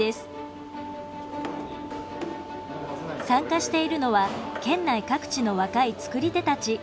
参加しているのは県内各地の若い造り手たち。